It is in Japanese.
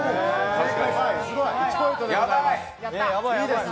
正解バーイ、１ポイントでございます。